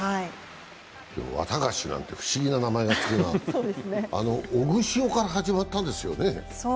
ワタガシなんて不思議な名前がつきましたが、オグシオから始まったんですよね。